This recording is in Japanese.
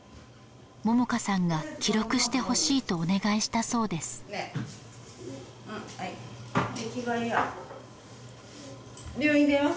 萌々花さんが記録してほしいとお願いしたそうですねえ